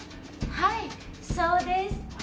はいそうです。